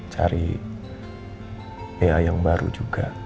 cari pa yang baru juga